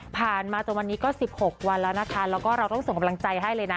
มาจนวันนี้ก็๑๖วันแล้วนะคะแล้วก็เราต้องส่งกำลังใจให้เลยนะ